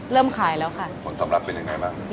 เริ่มขายทาง